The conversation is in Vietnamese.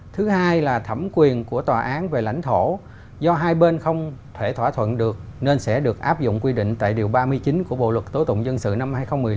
thứ hai là thẩm quyền của tòa án về lãnh thổ do hai bên không thể thỏa thuận được nên sẽ được áp dụng quy định tại điều ba mươi chín của bộ luật tố tụng dân sự năm hai nghìn một mươi năm